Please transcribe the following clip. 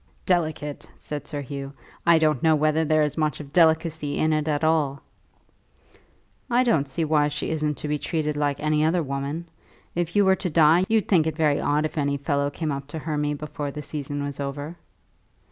"Delicate!" said Sir Hugh. "I don't know whether there is much of delicacy in it at all." "I don't see why she isn't to be treated like any other woman. If you were to die, you'd think it very odd if any fellow came up to Hermy before the season was over."